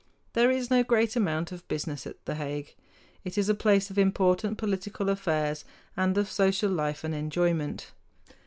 There is no great amount of business at The Hague. It is a place of important political affairs and of social life and enjoyment.